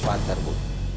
bapak antar bu